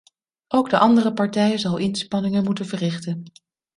Ook de andere partij zal inspanningen moeten verrichten.